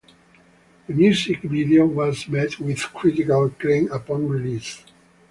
The music video was met with critical acclaim upon release.